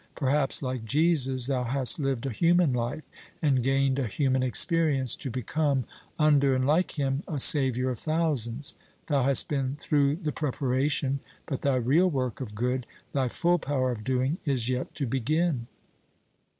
Perhaps, like Jesus, thou hast lived a human life, and gained a human experience, to become, under and like him, a savior of thousands; thou hast been through the preparation, but thy real work of good, thy full power of doing, is yet to begin.